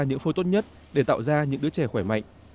những phôi tốt nhất để tạo ra những đứa trẻ khỏe mạnh